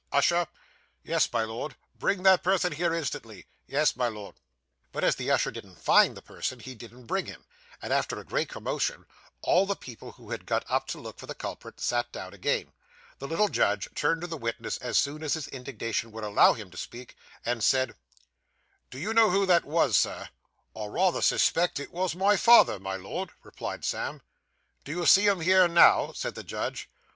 'Usher.' 'Yes, my Lord.' 'Bring that person here instantly.' 'Yes, my Lord.' But as the usher didn't find the person, he didn't bring him; and, after a great commotion, all the people who had got up to look for the culprit, sat down again. The little judge turned to the witness as soon as his indignation would allow him to speak, and said 'Do you know who that was, sir?' 'I rayther suspect it was my father, my lord,' replied Sam. 'Do you see him here now?' said the judge.